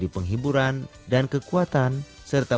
yesus mau datang segera